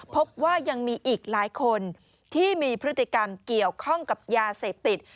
พบว่ายังมีอีกหลายคนที่มีพฤติกรรมเกี่ยวข้องกับยาเสพติด